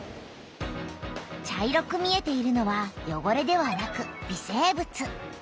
茶色く見えているのはよごれではなく微生物。